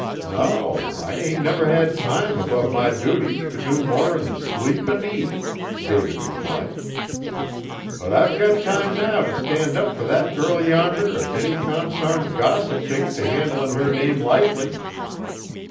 "No. I ain't never had time, above my duties, to do more'n sleep an' eat," David replied. "But I've got time now t' stand up fur that girl yonder, if any consarned gossip takes t' handlin' her name lightly.